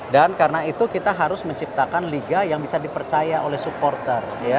dan karena itu kita harus menciptakan liga yang bisa dipercaya oleh supporter